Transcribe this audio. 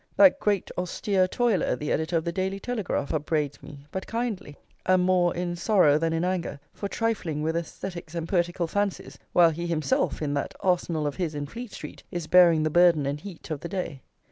That great austere toiler, the editor of the Daily Telegraph, upbraids me, but kindly, and more in sorrow than in anger, for trifling with aesthetics and poetical fancies, while he himself, in that arsenal of his in Fleet Street, is bearing the burden and heat of the day.